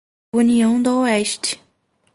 União do Oeste